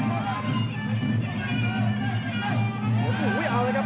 โอ้โหเอาเลยครับ